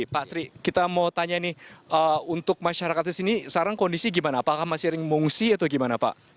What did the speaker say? pak tri kita mau tanya nih untuk masyarakat di sini sekarang kondisi gimana apakah masih sering mengungsi atau gimana pak